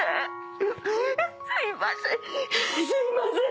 すいません。